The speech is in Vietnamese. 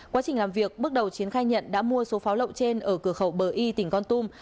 quá trình làm việc bước đầu chiến khai nhận đã mua số pháo lậu trên ở cửa khẩu bờ y tỉnh con tum